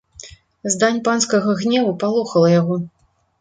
Здань панскага гневу палохала яго.